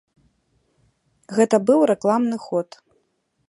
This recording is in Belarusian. Гэта быў рэкламны ход.